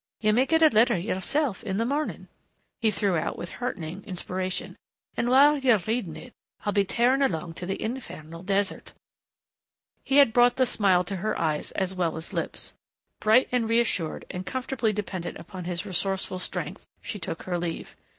You may get a letter, yourself, in the morning," he threw out with heartening inspiration, "And while you are reading it, I'll be tearing along to the infernal desert " He had brought the smile to her eyes as well as lips. Bright and reassured and comfortably dependent upon his resourceful strength, she took her leave.